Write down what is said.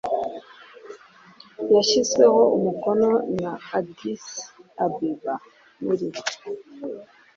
yashyizweho umukono i Addis Ababa muri